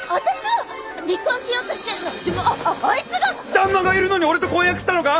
旦那がいるのに俺と婚約したのか！？